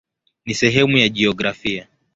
Ni sehemu ya jiografia.